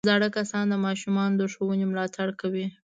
زاړه کسان د ماشومانو د ښوونې ملاتړ کوي